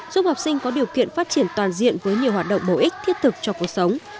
giúp học sinh có điều kiện phát triển toàn diện với nhiều hoạt động bổ ích thiết thực cho cuộc sống